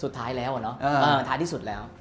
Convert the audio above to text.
สุดท้ายแล้วอะท้ายที่สุด